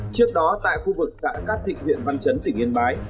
trước đó tại khu vực xã cát thịnh huyện văn chấn tỉnh yên bái